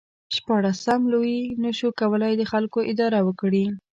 شپاړسم لویي نشو کولای د خلکو اداره وکړي.